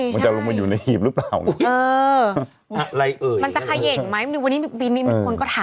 มันจะลงมาอยู่ในหีบหรือเปล่า